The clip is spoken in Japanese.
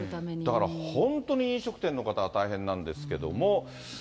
だから本当に飲食店の方は大変なんですけども。